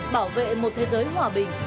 bảo vệ một thế giới hòa bình